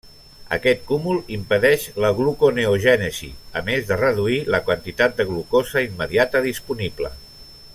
Aquest cúmul impedeix la gluconeogènesi, a més de reduir la quantitat de glucosa immediata disponible.